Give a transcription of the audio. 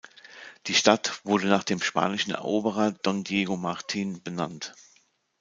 Die Stadt wurde nach dem spanischen Eroberer Don Diego Martin benannt.